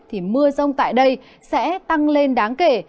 thì mưa rông tại đây sẽ tăng lên đáng kể